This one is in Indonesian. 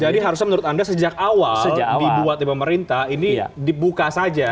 harusnya menurut anda sejak awal dibuat pemerintah ini dibuka saja